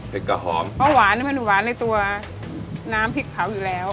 กับหอมเพราะหวานมันหวานในตัวน้ำพริกเผาอยู่แล้ว